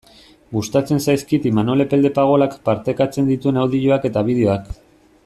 Gustatzen zaizkit Imanol Epelde Pagolak partekatzen dituen audioak eta bideoak.